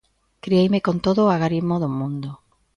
Crieime con todo o agarimo do mundo.